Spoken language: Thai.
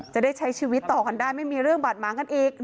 จะได้ใช้ชีวิตต่อกันได้ไม่มีเรื่องบาดหมางกันอีก